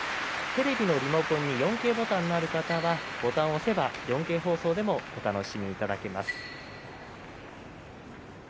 テレビのリモコンに４Ｋボタンがある方はボタンを押せば４Ｋ放送でもお楽しみいただけます。